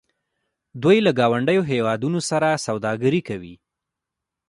دوی له ګاونډیو هیوادونو سره سوداګري کوي.